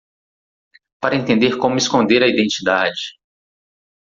Para entender como esconder a identidade